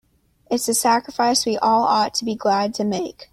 It's a sacrifice we all ought to be glad to make.